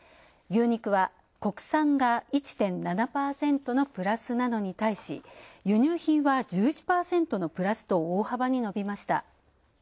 牛肉は国産が１．７％のプラスなのに対し、輸入品は１１％のプラスと大幅に伸びました。